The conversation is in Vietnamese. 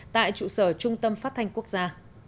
tại trụ sở trung tâm phát thanh quốc gia